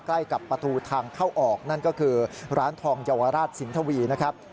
ใกล้กับประตูทางเข้าออกนั่นก็คือร้านทองเยาวราชสินทวีนะครับ